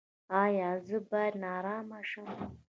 ایا زه باید نارامه شم؟